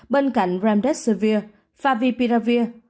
bên cạnh remdesivir favipiravir